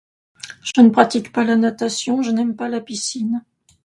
Je ne pratique pas la natation, je n'aime pas la piscine.